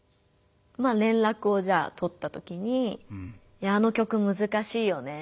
まあ連絡をじゃあ取ったときに「あの曲むずかしいよね。